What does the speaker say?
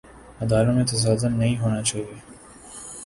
اداروں میں تصادم نہیں ہونا چاہیے۔